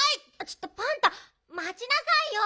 ちょっとパンタまちなさいよ！